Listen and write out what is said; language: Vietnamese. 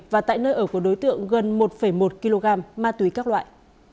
và tại nơi ở của đối tượng gần một một kg ma túy các loại